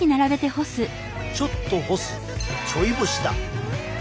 ちょっと干すちょい干しだ！